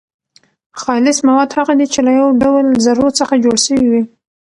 خالص مواد هغه دي چي له يو ډول ذرو څخه جوړ سوي وي.